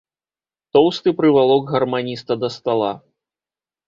Тоўсты прывалок гарманіста да стала.